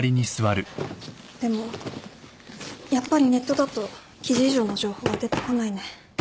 でもやっぱりネットだと記事以上の情報は出てこないね。